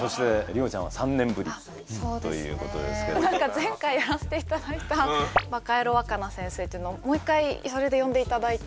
前回やらせていただいた「バカヤロわかな先生」っていうのをもう一回それで呼んでいただいて。